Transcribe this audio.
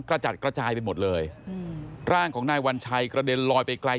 กระจัดกระจายไปหมดเลยร่างของนายวัญชัยกระเด็นลอยไปไกล